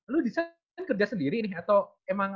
lo desain kerja sendiri nih atau emang